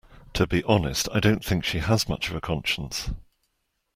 To be honest, I don’t think she has much of a conscience.